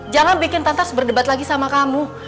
jangan bikin tante harus berdebat lagi sama kamu